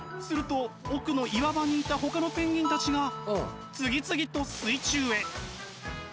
すると奥の岩場にいたほかのペンギンたちが次々と水中へ。